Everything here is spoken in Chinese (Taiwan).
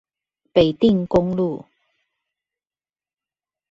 北碇公路